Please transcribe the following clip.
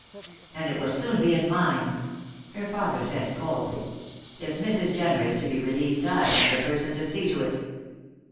"And it will soon be in mine," her father said, coldly. "If Mrs. Jenner is to be released I am the person to see to it."